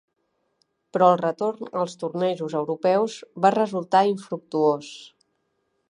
Però el retorn als tornejos europeus va resultar infructuós.